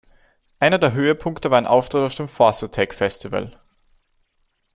Einer der Höhepunkte war ein Auftritt auf dem Force Attack Festival.